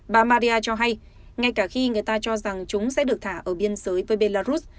bà maria cho hay ngay cả khi người ta cho rằng chúng sẽ được thả ở biên giới với belarus